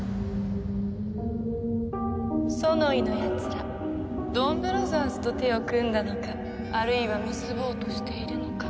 ソノイのやつらドンブラザーズと手を組んだのかあるいは結ぼうとしているのか。